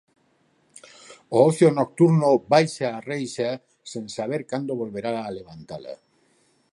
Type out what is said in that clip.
O ocio nocturno baixa a reixa sen saber cando volverá a levantala.